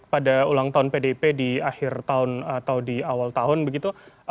pada ulang tahun pdp di akhir tahun atau di awal tahun begitu